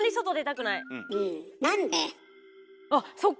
あっそうか。